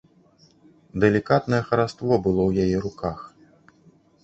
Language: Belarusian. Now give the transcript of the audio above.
Далікатнае хараство было ў яе руках.